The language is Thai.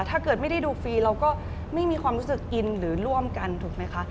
ถ้าเกิดไม่ได้ดูฟรีเราก็ไม่มีความรู้สึกอินหรือร่วมกันถูกไหมคะ